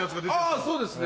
あそうですね。